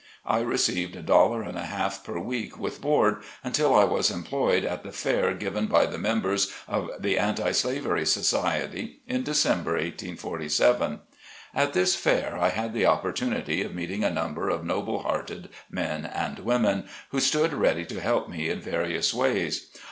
I received a dollar and a half per week with board, until I was employed at the fair given by the members of the Anti Slavery Society, in December, 1847. At this fair I had the opportunity of meeting a number of noble hearted men and women, who 32 SLAVE CABIN TO PULPIT. stood ready to help me in various ways.